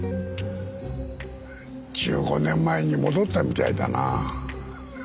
１５年前に戻ったみたいだな。